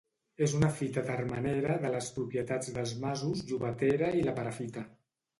És una fita termenera de les propietats dels masos Llobatera i la Perafita.